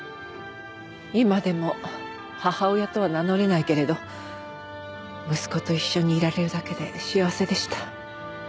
今でも母親とは名乗れないけれど息子と一緒にいられるだけで幸せでした。